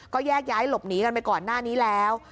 ก็แยกย้ายหลบหนีกันไปก่อนหน้านี้แล้ว